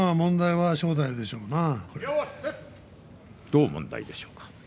どう問題でしょうか。